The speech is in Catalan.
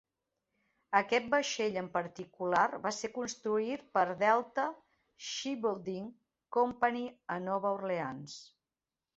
Aquest vaixell en particular va ser construït per Delta Shipbuilding Company a Nova Orleans.